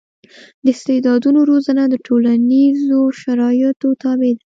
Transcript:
د استعدادونو روزنه د ټولنیزو شرایطو تابع ده.